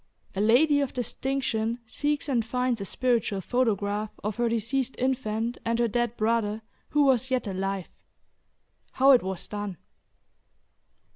A LADY OF DISTINCTION SEEKS AND FINDS A SPIRITUAL PHOTOGRAPH OF HER DECEASED INFANT, AND HER DEAD BROTHER WHO WAS YET ALIVE. HOW IT WAS DONE.